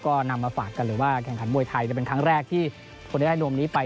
ก็นำมาฝากกันหรือว่าแข่งขันมวยไทยจะเป็นครั้งแรกที่คนที่ได้รวมนี้ไป